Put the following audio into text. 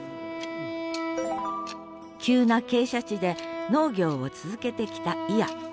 急な傾斜地で農業を続けてきた祖谷。